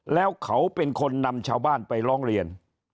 แล้วเขาเป็นคนนำชาวบ้านไปร้องเรียน